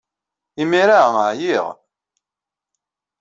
Imir-a, ɛyiɣ.